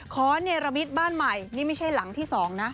เนรมิตบ้านใหม่นี่ไม่ใช่หลังที่๒นะ